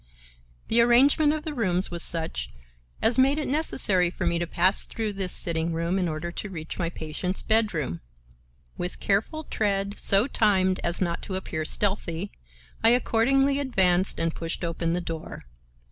The arrangement of the rooms was such as made it necessary for me to pass through this sitting room in order to reach my patient's bedroom. With careful tread, so timed as not to appear stealthy, I accordingly advanced and pushed open the door.